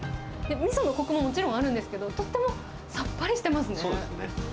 みそのこくももちろんあるんですけど、とってもさっぱりしてますね。